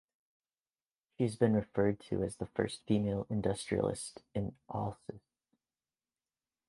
She has been referred to as the first female industrialist in Alsace.